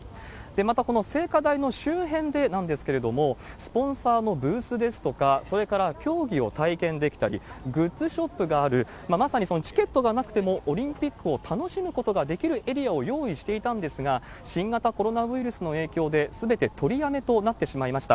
また、この聖火台の周辺でなんですけれども、スポンサーのブースですとか、それから競技を体験できたり、グッズショップがある、まさにそのチケットがなくてもオリンピックを楽しむことができるエリアを用意していたんですが、新型コロナウイルスの影響で、すべて取りやめとなってしまいました。